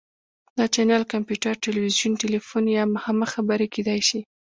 دا چینل کمپیوټر، تلویزیون، تیلیفون یا مخامخ خبرې کیدی شي.